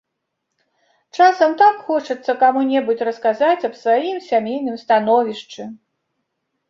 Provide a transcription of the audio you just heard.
Часам так хочацца каму-небудзь расказаць аб сваім сямейным становішчы.